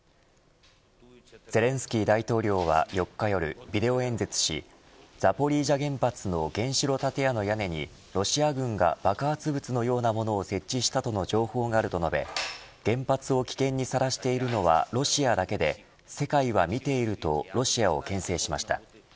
ゼレンスキー大統領は４日夜ビデオ演説しザポリージャ原発の原子炉建屋の屋根にロシア軍が爆発物のようなものを設置したとの情報があると述べ原発を危険にさらしているのはロシアだけで世界は見ているとロシアをけん制しました。